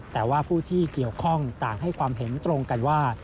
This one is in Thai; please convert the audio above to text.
แต่ว่าผู้ที่เกี่ยวข้องต่างให้ความเห็นตรงกันว่า